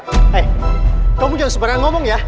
hei kamu jangan sebarang ngomong ya